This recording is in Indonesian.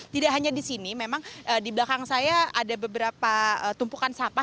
tidak hanya di sini memang di belakang saya ada beberapa tumpukan sampah